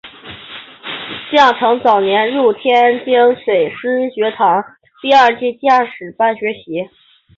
蒋拯早年入天津水师学堂第二届驾驶班学习。